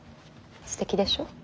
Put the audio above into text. すてきでしょう。